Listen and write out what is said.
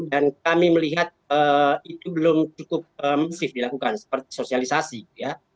dan kami melihat itu belum cukup masif dilakukan seperti sosialisasi ya